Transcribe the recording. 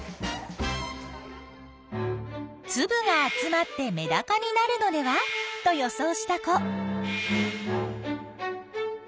つぶが集まってメダカになるのではと予想した子。